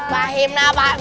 wahim lah pak d